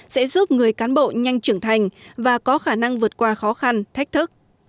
sẽ giúp người cán bộ nhanh trưởng thành và có khả năng vượt qua khó khăn thách thức